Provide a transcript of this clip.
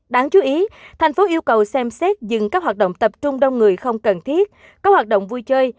đáng chú ý thành phố yêu cầu xem xét dừng các hoạt động tập trung đông người không cần thiết có hoạt động vui chơi